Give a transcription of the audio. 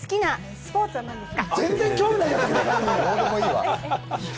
好きなスポーツは何ですか？